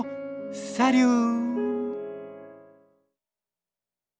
サリュー！